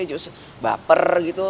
just baper gitu